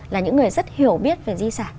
là những người rất hiểu biết về di sản